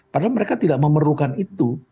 padahal mereka tidak memerlukan itu